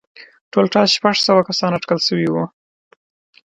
ټولټال شپږ سوه کسان اټکل شوي وو